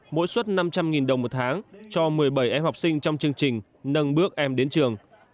mỗi suất năm trăm linh đồng một tháng cho một mươi bảy em học sinh trong chương trình nâng bước em đến trường